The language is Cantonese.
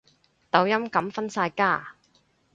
抖音噉分晒家